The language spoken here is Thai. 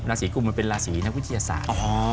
สีกุมมันเป็นราศีนักวิทยาศาสตร์